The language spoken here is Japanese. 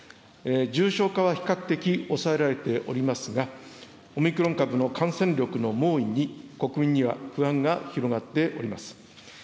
重症化は比較的抑えられておりますが、オミクロン株の感染力の猛威に、国民には不安が広がっております。